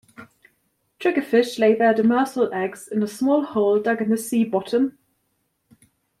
Triggerfish lay their demersal eggs in a small hole dug in the sea bottom.